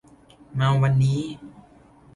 มาวันนี้